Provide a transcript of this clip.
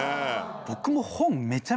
僕も。